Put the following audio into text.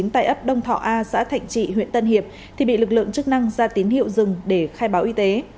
tại ấp đông thọ a xã thạnh trị huyện tân hiệp thì bị lực lượng chức năng ra tín hiệu dừng để khai báo y tế